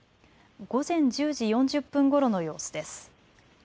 午前１０時４０分ごろの様子です。